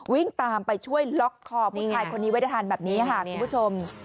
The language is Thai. วิ่งตามไปช่วยล็อกคอผู้ชายคนนี้ไว้ได้ทันแบบนี้ค่ะคุณผู้ชม